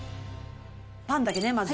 パンだけね、まず。